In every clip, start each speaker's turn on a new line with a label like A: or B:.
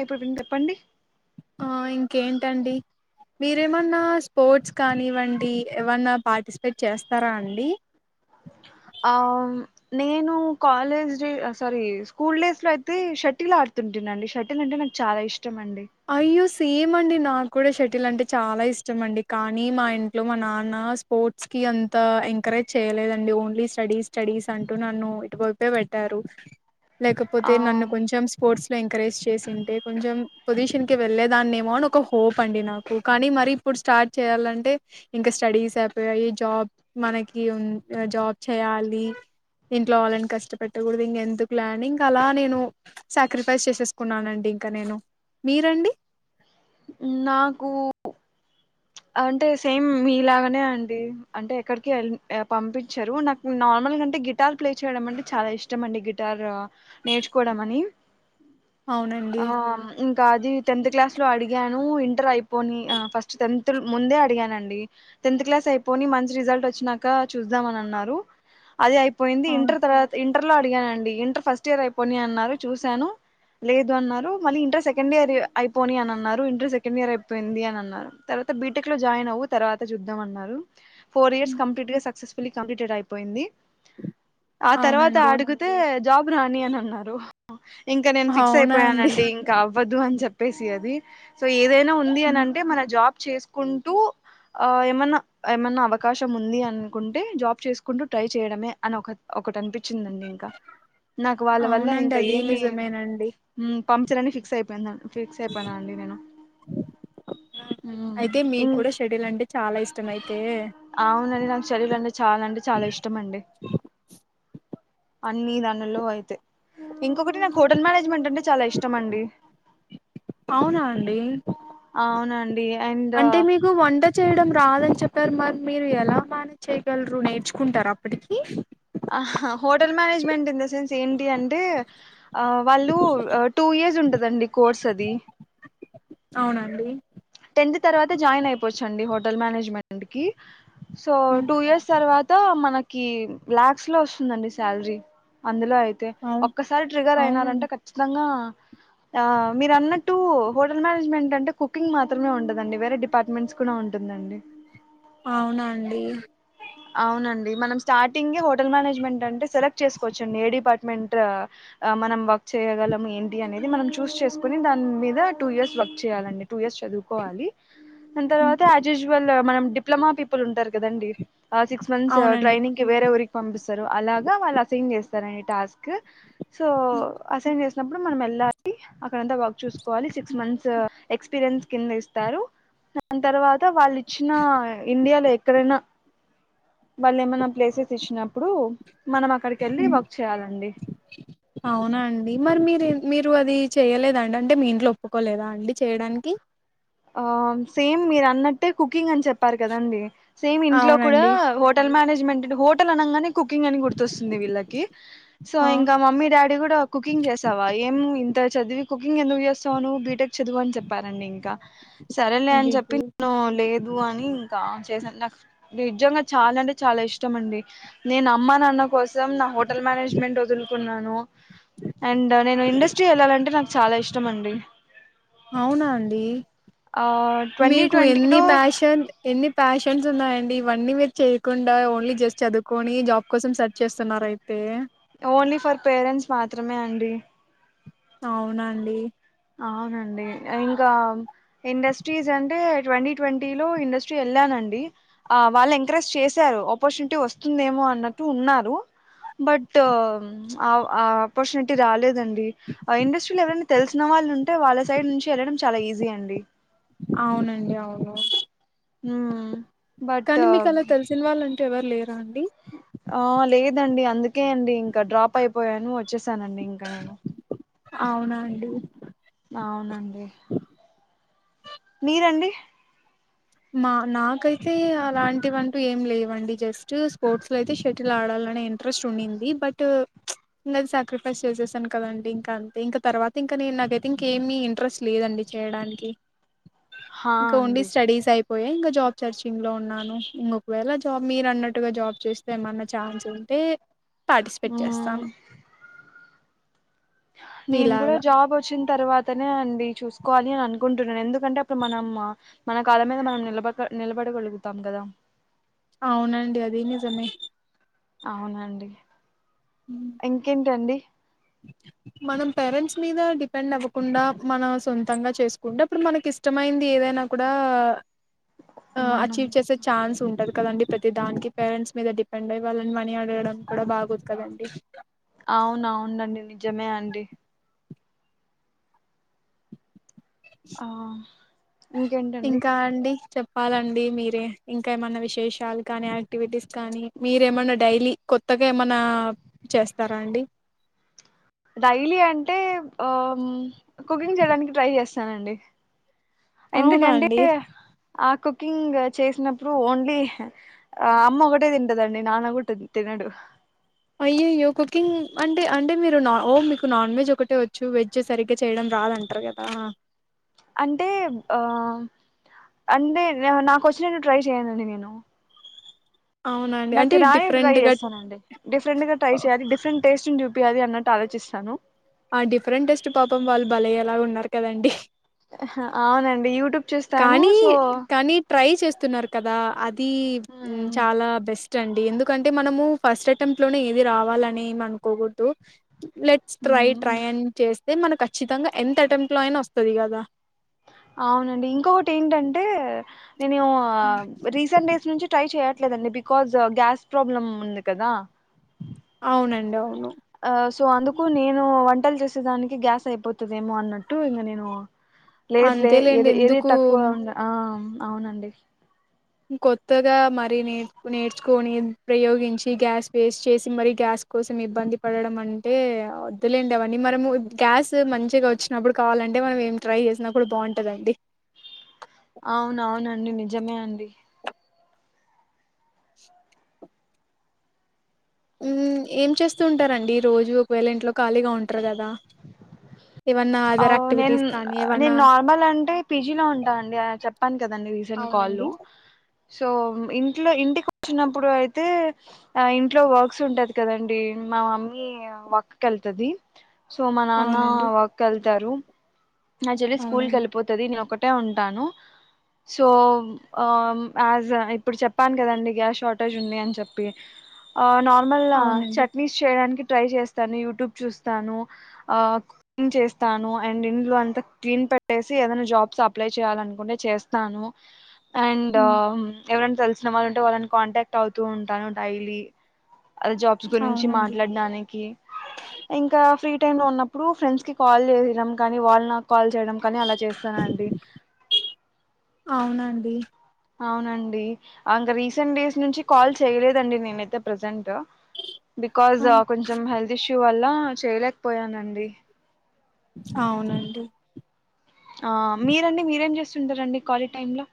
A: ఇప్పుడు విన్ చెప్పండి
B: ఆ ఇంకేంటండి. మీరేమన్నా స్పోర్ట్స్ కానీవండీ ఏవన్నా పార్టిసిపేట్ చేస్తారా అండి.
A: ఆ నేనూ college day sorry school days లో అయితే షటిల్ ఆడుతుంటినండి షటిల్ అంటే నాకు చాలా ఇష్ ష్టమండి.
B: అయ్యో సేమ్ అండి నాకు కూడా షటిల్ అంటే చాలా ఇష్టం అండి. కానీ మా ఇంట్లో మా నాన్నా స్పోర్ట్స్ కీ అంతా ఎంకరేజ్ చేయలేదండి ఓన్లీ స్టడీస్ స్టడీస్ అంటూ నన్నూ ఇటు వైపే పెట్టారు. లేకపోతే
A: ఆ
B: నన్ను కొంచెం స్పోర్ట్స్ ఎంకరేజ్ చేసింటే కొంచెం పొజీషన్కి వెళ్ళేదాన్నేమో అని ఒక హోప్ అండి నాకు. కానీ మరి ఇప్పుడు స్టార్ట్ చేయాలంటే, ఇంకా స్టడీస్ అయిపోయాయి జాబ్ మనకి వుం జాబ్ చేయాలీ. ఇంట్లో వాళ్ళని కష్టపెట్టకూడదు ఇంకెందుకు లే అని ఇంక అలా నేను సాక్రిఫైస్ చేసేసుకున్నానండి ఇంకా నేను. మీరండి.
A: నాకూ అంటే సేమ్ మీలాగనే అండి అంటే ఎక్కడికి ఎల్ ఆ పంపించరు నాకు నార్మల్ అంటే గిటార్ ప్లే చేయడం అంటే చాలా ఇష్టం అండి గిటార్ నేర్చుకోవడం అని
B: అవునండి
A: ఆ ఇం కాదు టెన్త్ క్లాస్లో అడిగాను ఇంటర్ అయిపోని ఆ ఫస్ట్ టెన్త్ ముందే అడిగానండి టెన్త్ క్లాస్ అయిపోని మంచి రిజల్ట్ వచ్చినాక చూద్దామని అన్నారు అదే అయిపోయింది
B: ఆ
A: ఇంటర్ తర్వాత ఇ ఇంటర్ లో అడిగానండి ఇంటర్ ఫస్ట్ ఇయర్ అయిపోని అన్నారు చూశాను లేదు అన్నారు మళ్ళీ ఇంటర్ సెకండ్ ఇయర్ అయిపోని అని అన్నారు ఇంటర్ సెకండ్ ఇయర్ అయిపోయింది అని అన్నారు తర్వాత బీటెక్ లో జాయిన్ అవు తర్వాత చూద్దాం అన్నారు ఫోర్ ఇయర్ కంప్లీట్గా సక్సెస్ ఫుల్లీ కంప్లీటెడ్ అయిపోయింది ఆ తర్వాత
B: అవునండి
A: అడిగితే జాబ్ రాని అని అన్నారు ఓ ఇంకా నేను ఫిక్స్
B: అవునా అండి
A: అయిపోయానండి ఇంకా అవ్వదు అని చెప్ప పసీది సో ఏదైనా ఉంది అని అంటే మన జాబ్ చేసుకుంటూ ఏమన్నా ఏమన్నా అవకాశం ఉంది అనుకుంటే జాబ్ చేసుకుంటూ ట్రై చేయడమే అని ఒక ఒకటి అనిపించి వచ్చిందండి ఇంకా నాకు వాళ్ళ వల్ల
B: అవునండి
A: ఇంకా
B: అది
A: ఏమి
B: నిజమేనండి
A: పంచర్ అని ఫిక్స్ అయిపోయిన ఫిక్స్ అయిపోయినా అండి నేను
B: అయితే
A: ఇం
B: మీకు కూడా షటిల్ అంటే చాలా ఇష్టం అయితే
A: అవునండి నాకు చదువులు అంటే చాలా అంటే చాలా ఇష్టం అండి అన్ని దానిలో అయితే ఇంకొకటి నాకు హోటల్ మేనేజ్మెంట్ అంటే చాలా ఇష్టం అండి
B: అవునా అండి
A: అవునండి అండ్
B: అంటే మీకు వంట చేయడం రాదని చెప్పారు మరి మీరు ఎలా మేనేజ్ చేయగలరు నేర్చుకుంటారా అప్పటికి
A: hotel management in the sense ఏంటి అంటే ఆ వాళ్ళు టూ ఇయర్స్ ఉంటది కదండి కోర్స్ అది
B: అవునండి
A: టెన్త్ తర్వాత జాయిన్ అయిపోచ్చండి హోటల్ మేనేజ్మెంట్ కి సో
B: హ్మ్.
A: టూ ఇయర్స్ తర్వాత మ మాకి లాస్ట్ లో వస్తుందండి సాలరీ అందు అయితే
B: అవు
A: ఒక్కసారి ట్రిగర్ అయినారంటే
B: అవునండి
A: ఖచ్చితంగా ఆ మీరు అన్నట్టు హోటల్ మేనేజ్మెంట్ అంటే కుకింగ్ మాత్ర మాత్రమే ఉండదండి వేరే డిపార్ట్మెంట్స్ కూడా ఉంటుందండి
B: అవునాండి
A: అవునండి మనం స్టార్టింగ్ హోటల్ మేనేజ్మెంట్ అంటే సెలెక్ట్ చేసుకోవచ్చండి ఏ డిపార్ట్మెంట్ మనం వర్క్ చేయ్యగలము ఏంటి అనేది మనం చూస్ చేసుకుని దాని మీద టూ ఇయర్స్ వర్క్ చేయాలండి టూ ఇయర్స్ చదువు కోవాలి దాని
B: హ్మ్.
A: తర్వాత యాజ్ యూజ్వల్ మనం డిప్లొమా పీపుల్ ఉంటారు కదండి. ఆ సిక్స్ మంత్స్
B: అవునండి
A: ట్రైనింగ్ వేరే ఉరి పంపిస్తారు అలాగా వాళ్ళు అసైన్ చేస్తారండి. టాస్క్ సో అసైన్ చేస్ ఏప్పుడు మనం యెళ్ళాలి. అక్కడంత వర్క్ చూసుకోవాలి. సిక్స్ మంత్స్ ఎక్స్పీరియన్స్ కింద ఇస్తారు. దాని తర్వాత వాళ్ళు ఇచ్చిన ఇండియాలో ఎక్కడైనా వాళ్ళు ఏమన్నా ప్లేసెస్ ఇచ్చినప్పుడు మనం అక్కడికి వెళ్ళి వర్క్ చేయాలండి
B: అవునా అండి మరి మీరే మీరు అది చేయ్యలేదా అండి అంటే మీ ఇంట్లో ఒప్పుకోలేదా అండి చేయడానికి
A: ఆం సేమ్ మీరు అన్నట్టే కుకింగ్ అని చెప్పారు కదండి సేమ్ ఇంట్లో కూడా
B: అవునండి
A: హోటల్ మేనేజ్ జిమెంటిడి హోటల్ అనంగానే కుకింగ్ అని గుర్తొస్తుంది వీళ్ళకి సో
B: ఆ!
A: ఇంకా మమ్మీ డాడీ కూడా కుకింగ్ చేసావా ఏం నువ్ ఇంత చదివి కుకింగ్ ఎందుకు చేస్తావు నువ్వు బీ టెక్ చదువు అని చెప్పారండి ఇంకా సరేలే అని చెప్పి
B: అయ్యయ్యో
A: [inaudible] ను లేదు అని ఇంకా చేసాను నాకు నిజంగా చాలా అంటే చాలా ఇష్టం అండి. నేను అమ్మా నాన్న కోసం మొత్తం నా హోటల్ మేనేజ్మెంట్ వదులు ఉన్నాను అండ్ నేను ఇండస్ట్రీ వెళ్ళాలంటే నాకు చాలా ఇష్టం అండి.
B: అవునా అండి.
A: ఆ ట్వంటీ
B: మీకు ఎన్ని
A: ట్వంటీలో
B: ప్యాషన్ ఎన్ని ప్యాషన్ ఎగ్జామ్స్ ఉన్నాయండి. ఇవ్వన్నీ మీరు చేయకుండా ఓన్లీ జస్ట్ చదువుకొని జాబ్ కోసం సర్చ్ చేస్తున్నారా అయితే
A: ఓన్లీ ఫర్ పేరెంట్స్ మాత్రమే అండి.
B: అవునండి
A: అవునండి అ ఇంకా ఇండస్ట్రీస్ అంటే ట్వంటీ ట్వంటీ లో ఇండస్ట్రీ ఎళ్ళానండి ఆ వాళ్ళు ఎంకరేజ్ చేశారు ఆపర్చునిటీ వస్తుందేమో అన్నట్టు ఉన్నారు బట్ ఆవ్ ఆ ఆపర్చునిటీ రాలేదం డి ఆ ఇండస్ట్రీలో ఎవరన్నా తెల్స్ న వాళ్ళున్ టే వాళ్ళ సైడ్ నుంచి ఎళ్ళడం చాలా ఈజీ అండి
B: అవునండి అవును
A: హ్మ్
B: కానీ మీకు అలా తెలిసిన వాళ్ళం టు ఎవరు లేరా అండి
A: ఆ లేదండి అందు కే అండి ఇంక డ్రాప్ అయిపోయాను వచ్చేసానండి ఇంక నేను
B: అవునా అండి
A: అవునండి మీరండి
B: మా నాకైతే అలాంటివంటూ ఏం లేవండి, జస్ట్ స్పోర్ట్స్లో అయితే షటిల్ ఆడాలనే ఇంట్రెస్ట్ ఉండింది బట్ ప్చ్ ఇంగది సాక్రిఫైస్ చేసేసాను కదండి ఇంక అంతే ఇంకా తర్వాత ఇంకా నేను నాకైతే ఇంకేమీ ఇంట్రెస్ట్ లేదండి చేయడానికి.
A: హా
B: ఇంక ఓన్లీ
A: అండి
B: స్టడీస్ అయిపోయాయ్ ఇంగ జాబ్ సర్చింగ్ లో ఉన్నాను. ఇంగొకవేళ జాబ్ మీరు అన్నట్టుగా జాబ్ చేస్తే ఏమన్న ఛాన్స్ ఉంటే పాటిస్పేట్
A: మ్మ్
B: చేస్తాను
A: నేను కూడా
B: మీలాగా
A: జాబ్ వచ్చిన్ తర్వాతనే అండి చూసుకోవాలి అని అనుకుంటున్నాను, ఎందుకంటే అప్పుడు మనం మనకాళ్ల మీద మనం నిలబడితే నిలబడగలుగుతాం కదా.
B: అవునండి అది నిజమే
A: అవునండి
B: హ్మ్.
A: ఇంకేంటండి
B: మనం పేరెంట్స్ మీద డిపెండ్ అవ్వకుండా మనం సొంతంగా చేసుకుంటే అప్పుడు మనకి ఇష్టమైంది ఏదైనా కూడా ఆ
A: మనం
B: అచీవ్ చేసే ఛాన్స్ ఉంటది కదండి ప్రతి దానికీ పేరెంట్స్ మీద డిపెండ్ అయ్యి వాళ్ళని మనీ అడగడం కూడా బాగోదు కదండి
A: అవునా ఉండండెళ్ళి జమే అండి ఆ ఇంకేంటండి
B: ప్పాలండి మీరే ఇంకా ఏమైన్నా విశేషాలు కానీ యాక్టివిటీస్ కానీ మీరేమైన్నా డైలీ కొత్తగా ఏమనా చేస్తారా అండి
A: డైలీ అంటే ఆ కుకింగ్ చేయడానికి ట్రై చేస్తాను తానండి
B: అవునా
A: ఎందుకంటే
B: అండి
A: ఆ కుకింగ్ చేసినప్పుడు ఓన్లీ ఆ అమ్మ ఒకటే తింటదండి నాన్న ఒకటి తినడు
B: అయ్యయ్యో కుకింగ్ అంటే అంటే మీరు నా ఓ మీకు నాన్ వెజ్ ఒకటే వచ్చు వెజ్ సరిగ్గా చేయడం రాదంటారు కదా
A: అంటే ఆ అంటే అ నాకు వచ్చినట్టు ట్రై చేయనండి నేను
B: అవునండి అంటే
A: నాకు రాయని ట్రై
B: డిఫరెంట్ గా
A: చేస్తానండి డిఫరెంట్ గా ట్రై చేయాలి డిఫరెంట్ టేస్టును చూ పి అది అన్నట్టు ఆలోచిస్తాను
B: ఆ డిఫరెంట్ టెస్ట్ పాపం వాళ్ళు బలయ్యేలా ఉన్నారు కదండి
A: ఆహా అవునండి యూట్యూబ్ చూస్తాను
B: కానీ
A: సో
B: కానీ ట్రై చేస్ న్నారు కదా అ ది చాలా బెస్ట్ అండి ఎందుకంటే మనము ఫస్ట్ అటెంప్ట్ లోనే ఏది రావాలని అనుకోకూడదు లెట్స్ ట్రై ట్రై అని చేస్ అదే మనకు ఖచ్చితంగా ఎంత అటెంప్ లో అయినా వస్తది కదా
A: అవునండి ఇంకొకటి ఏంటంటే నేను రీసెంట్ డేస్ నుంచి ట్రై చెయ ట్లేదండి బికాజ్ గ్యాస్ ప్రాబ్లం ఉంది కదా
B: అవునండి. అవును.
A: ఆ సో అందుకు నేను వంటలు చే దానికి గ్యాస్ అయిపోతది దేమో అన్నట్టు ఇంక నేను లేదు లే
B: అంతేలేండి.
A: ఏద ఏది
B: ఎందుకు
A: తక్కువ ఉండ ఆ అవునండి
B: కొత్తగా మర నేర్చ నేర్చుకొని ప్రయోగించి గ్యాస్ వేస్ట్ చేసి మరి గ్యాస్ కోసం ఇబ్బంది పడడం అంటే, వద్దలేండి అవన్నీ మనము గ్యాస్ మంచిగా వచ్చినప్పుడు కావాలంటే మనం ఏమి ట్రై చేసినా కూడా బాగుంటుందండి.
A: అవున అవునండి నిజమే అండి
B: ఉ ఏం చేస్తూ ఉంటారండి రోజు, ఒకవేళ ఇంట్లో ఖాళీగా ఉంటారు కదా ఏవన్నా
A: ఆ
B: అదర్
A: నేను
B: యాక్టివిటీస్ కానీ ఏవన్నా
A: నేను నార్మల్ అంటే పీజీలో ఉంటాను అండి చెప్పాను కదండి రీసెంట్ కాల్
B: అవునండి
A: సో ఇంట్లో ఇంటికి వచ్చినప్పుడు అయితే ఇంట్లో వర్క్స్ ఉంటది కదండి మా మమ్మీ వర్క్కి వెళ్తుది సో మా నాన్న
B: అవునండి
A: వర్క వెళ్తారు నా చెల్లి స్కూల్ క
B: అవునండి
A: వెళ్ళిపోతుది నేను ఒక తే ఉంటాను సొ ఆ ఇప్పుడు చెప్పాను కదా అండి గ్యాస్ ఆటో ఉన్నాయని చెప్పి మల్ల
B: అవునండి
A: చట్నీస్ చేయడానికి ట్రై చేస్తాను యూట్యూబ్ చూస్తాను కుకింగ్ చేస్తాను అండ్ ఇంట్రెస్ట్ అంత క్లీన్ పెట్టేసి ఏదైనా జాబ్స్ అప్లై చేయాలనుకుంటే చేస్తాను. అండ్
B: మ్మ్
A: ఎవరని తెలిసిన వాళ్ళు ఉంటే వాళ్ళని కాంటాక్ట్ అవుతూ ఉంటాను డైలీ అది జాబ్స్ గురించి
B: అవునండి
A: మాట్లాడడానికి ఇంకా ఫ్రీ టై లో ఉన్నప్పుడు ఫ్రెండ్స్ కి కాల్ చేయడం కా నీ వాళ్లు నాకు కాల్ చేయడం కానీ అలా చేస్తానండి
B: అవునండి
A: అవునండి ఇంక రీసెంట్ డేస్ నుంచి కాల్ చేయలేదండి నేనైతే ప్రజెంట్ బికాస్
B: ఆ
A: కొంచెం హెల్దీ ఇస్ ఇ వల్ల చేయలేకపోయానండి
B: అవునండి
A: ఆ మీరండి మీరేం చేస్తు చూంటారండి కాలేజ్ టైమ్ ల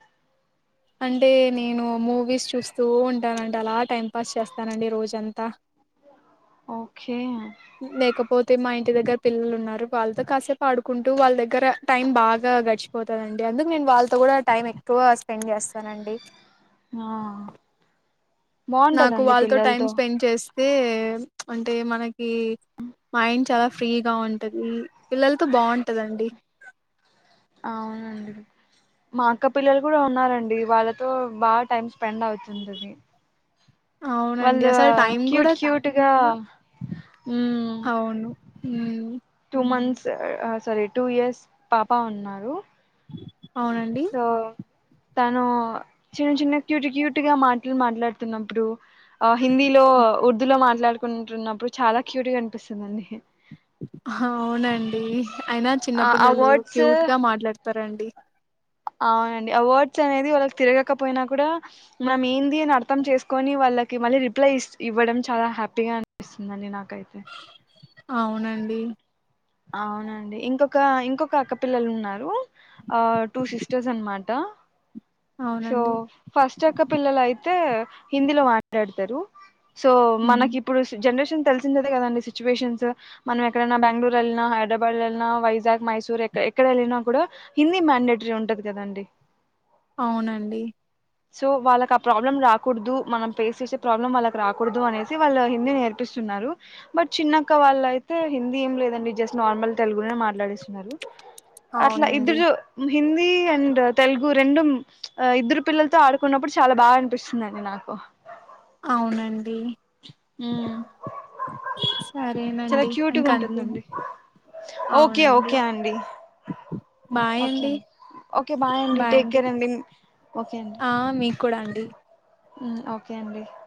B: అంటే నేను మూవీస్ చూస్తూ ఉంటానండి అలా టైం పాస్ చేస్తానండి రోజంతా
A: ఓకే
B: లేకపోతే మా ఇంటి దగ్గర పిల్లలు ఉన్నారు వాళ్ళతో కాసేపు ఆడుకుంటూ వాళ్ళ దగ్గర టైం బాగా గడిచిపోతుందిండి అందుకు నేను వాళ్ళతో కూడా టైం ఎక్కువ స్పెండ్ చేస్తానండి
A: ఆం
B: నాకు వాళ్ళతో టైమ్ స్పెండ్ చేస్త అయితే అంటే మనకి మైండ్ చాలా ఫ్రీగా ఉంటుది పిల్లలతో బాగుంటందండి
A: అవునండి మా అక్క పిల్లలు కూడా ఉన్నారంండి వాళ్ళతో బాగా టైమ్ ఫ్రెండ్ అవుతుంటది వాళ్ళ
B: అవునండి అసలు టైం కూడా
A: క్యూట్ క్యూట్గా
B: అవును ఉం
A: two months sorry two years పాప ఉన్నారు
B: అవునండి
A: సో తను చిన్న చిన్న క్యూట్ క్యూట్ గా మాటలు మాట్లాడుతున్నప్పుడు ఆ హిందీలో ఉర్ హిందీ లో మాట్లాడుకుంటున్నప్పుడు చాలా క్యూట్ గనిపిస్తుందండి
B: హ అవునండి అయినా చిన్న
A: ఆ ఆ
B: పిల్లలు
A: వర్డ్స్
B: క్యూట్ గా మాట్లాడత స్తరండి
A: ఆ అండి అవర్డ్స్ అనేది వాళ్ళకి తిరగకపోయినా కూడా మనం ఏంది అని అర్థం చేసుకొని వాళ్ళకి మళ్ళీ రిప్లై ఇస్ ఇవ్వడం చాలా హ్యాపీగా అనిపిస్తుందిండి నాకైతే
B: అవునండి
A: అవునండి ఇంకొక ఇంకొక అక్కపిల్లలున్నారు ఆ టూ సిస్టర్స్ అనమాట సో
B: అవునండి
A: ఫస్ట్ అక్క పిల్లలైతే హిందీలో మాట్లాడతారు సో
B: ఉమ్
A: మనకి ఇప్పుడు జనరేషన్ తెలిసిందే కదండి సిచ్యువేషన్స్ మన ఎక్కడై బంగళూ వెళ్ళిన హైదరాబాద్ వెళ్నా వైజాగ్ మైసూర్ ఎక్కడ వెళ్ళినా కూడా హిందీ మ్యాండేటరీ ఉంటది కదాండి
B: అవునండి
A: సో వాళ్ళకి ఆ ప్రాబ్లమ్ రాకూడదు మనం ఫేస్ చేసే ప్రాబ్లం వాళ్ళకి రాకూడదు అనేసి వాళ్ళ హిందీ నేర్పిస్తున్నారు బట్ చిన్నక్క వాళ్ళయితే హిందీ ఏం లేదండి జస్ట్ నార్మల్ తెలుగులో మాట్లాడేస్తున్నారు అట్లా
B: అవునండి
A: ఇద్దరు హిందీ అండ్ తెలుగు రెండు మ్ ఆ ఇద్దరు పిల్లలతో ఆడుకున్నప్పుడు చాలా బాగా అనిపిస్తుందండి నాకు
B: అవునండి
A: మ్మ్ చాలా
B: సరేనండి
A: క్యూట్గా
B: ఇంక అంతే
A: ఉంటుందండి ఓకే
B: అవునండి
A: ఓకే అండి,
B: బాయ్
A: ఓకే
B: అండి
A: అం ఓకే బై అండి టేక్ కేర్ అండి ఓకే అండి
B: ఆ మీకు కూడా అండి
A: మ్మ్ ఓకే అండి